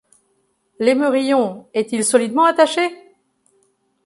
L’émerillon est-il solidement attaché?